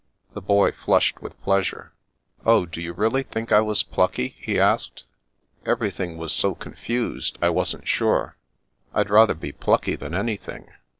The boy flushed with pleasure. "Oh, do you really think I was plucky ?" he asked. " Ever3rthing was so confused, I wasn't sure. I'd rather be plucky than an3rthing.